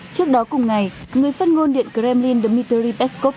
trước đó cùng ngày người phát ngôn điện kremlin dmitry peskov